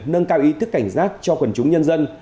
nâng cao ý thức cảnh giác cho quần chúng nhân dân